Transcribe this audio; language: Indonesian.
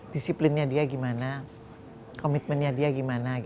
disiplinnya dia gimana komitmennya dia gimana